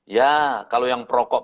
ya kalau yang perokok